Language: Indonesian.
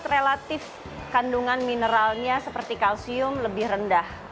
relatif kandungan mineralnya seperti kalsium lebih rendah